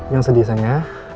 jangan sedih ya